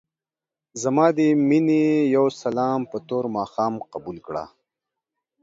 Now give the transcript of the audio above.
ځما دې مينې يو سلام په تور ماښام قبول کړه.